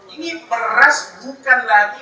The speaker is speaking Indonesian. ini peras bukan lagi